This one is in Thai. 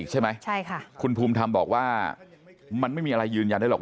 ใช่ไหมใช่ค่ะคุณภูมิธรรมบอกว่ามันไม่มีอะไรยืนยันได้หรอก